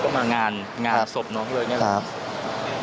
มางานงานศพน้องอะไรแบบนี้